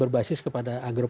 bisip ya terus